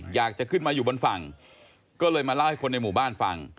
อยากจะขึ้นมาอยู่บนฝั่งก็เลยมาเล่าให้คนในหมู่บ้านฟัง